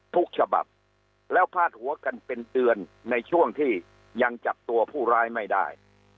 ทุกฉบับแล้วพาดหัวกันเป็นเดือนในช่วงที่ยังจับตัวผู้ร้ายไม่ได้